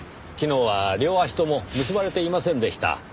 昨日は両足とも結ばれていませんでした。